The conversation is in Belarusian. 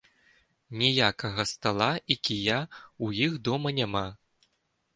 Ніякага стала і кія ў іх дома няма.